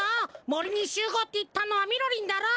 もりにしゅうごうっていったのはみろりんだろ。